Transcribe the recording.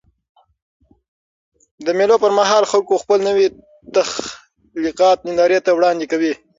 د مېلو پر مهال خلک خپل نوي تخلیقات نندارې ته وړاندي کوي.